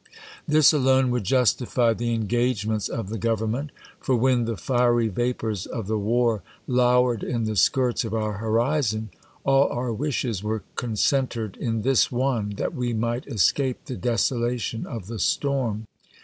This alone would justify the engagements of the gov ernment. For, when the fiery vapours of the war low ered in the skirts of our horizon, all our wishes were concentered in this one, that we might escape the des olation of the storm.